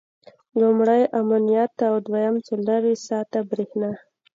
لومړی امنیت او دویم څلرویشت ساعته برېښنا.